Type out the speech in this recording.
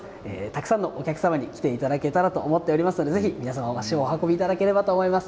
たくさんのお客様に来ていただけたらと思っていますので、ぜひ皆様足を運びいただければと思います。